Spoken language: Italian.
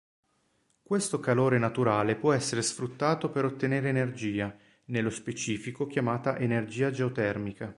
Questo calore naturale può essere sfruttato per ottenere energia, nello specifico chiamata energia geotermica.